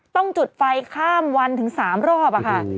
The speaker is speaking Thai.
ต้องจุดไฟข้ามวันถึง๓รอบค่ะ